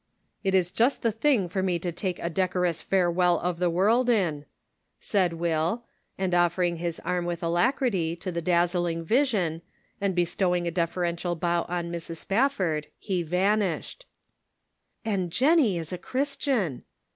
"It is just the thing for me to take a deco rous farewell of the world in." said Will, and, offering his arm with alacrity to the dazzling vision, and bestowing a deferential bow on Mrs. Spafford, he vanished. " And Jennie is a Christian